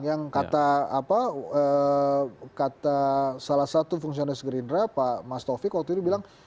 yang kata salah satu fungsionis gerindra pak mas tovik waktu itu bilang